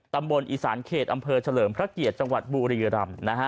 ตำบลอีสานเขตอำเภอเฉลิมพระเกียรติจังหวัดบุรียรำ